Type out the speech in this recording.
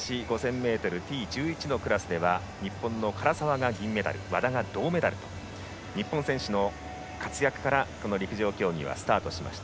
ｍＴ１１のクラスでは日本の唐澤が銀メダル和田が銅メダルと日本選手の活躍から、陸上競技はスタートしました。